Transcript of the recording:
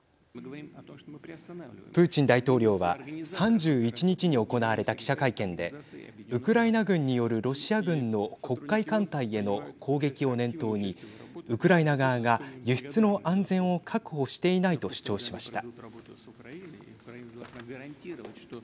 プーチン大統領は３１日に行われた記者会見でウクライナ軍によるロシア軍の黒海艦隊への攻撃を念頭にウクライナ側が輸出の安全を確保していないと主張しました。